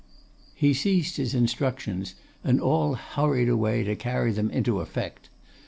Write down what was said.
He ceased his instructions, and all hurried away to carry them into effect.